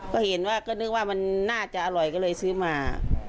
ก็เห็นว่าก็นึกว่ามันน่าจะอร่อยก็เลยซื้อมา